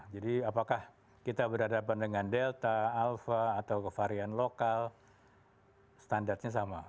jadi apakah kita berhadapan dengan delta alpha atau varian lokal standarnya sama